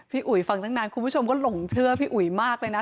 อุ๋ยฟังตั้งนานคุณผู้ชมก็หลงเชื่อพี่อุ๋ยมากเลยนะ